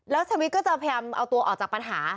แล้วชีวิตก็จะพยายามเอาตัวออกจากปัญหา